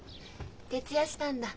徹夜したんだ？